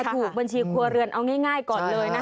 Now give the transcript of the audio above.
ถูกบัญชีครัวเรือนเอาง่ายก่อนเลยนะคะ